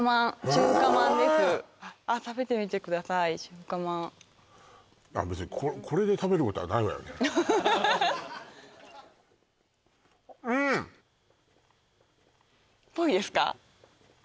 中華まん別にこれで食べることはないわよねうんっっぽいですか？